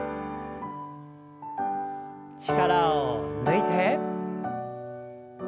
力を抜いて。